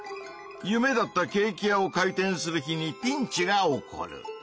夢だったケーキ屋を開店する日にピンチが起こる！